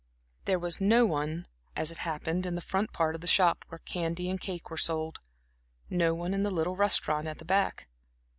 There was no one, as it happened, in the front part of the shop, where candy and cake were sold; no one in the little restaurant at the back.